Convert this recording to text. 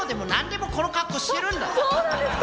そうなんですか。